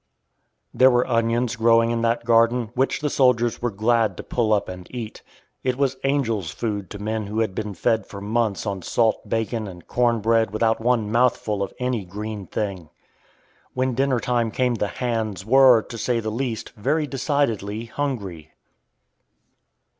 There were onions growing in that garden, which the soldiers were glad to pull up and eat. It was angel's food to men who had fed for months on salt bacon and corn bread without one mouthful of any green thing. When dinner time came the "hands" were, to say the least, very decidedly hungry.